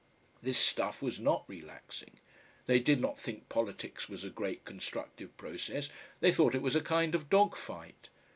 This stuff was not relaxing. They did not think politics was a great constructive process, they thought it was a kind of dog fight.